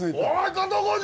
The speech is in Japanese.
加藤浩次！